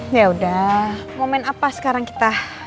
ya udah mau main apa sekarang kita